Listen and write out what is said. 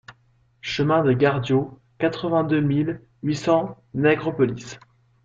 Chemin des Gardios, quatre-vingt-deux mille huit cents Nègrepelisse